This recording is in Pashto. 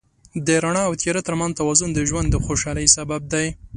د رڼا او تیاره تر منځ توازن د ژوند د خوشحالۍ سبب دی.